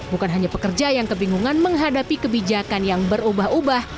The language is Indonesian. bukan hanya pekerja yang kebingungan menghadapi kebijakan yang berubah ubah